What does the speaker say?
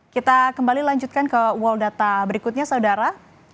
kita kembali lanjutkan ke world data berikutnya saudara